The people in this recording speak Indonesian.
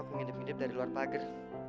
aku ngidip ngidip dari luar pagar